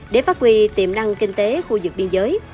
để phát huy tiềm năng kinh tế khu vực biên giới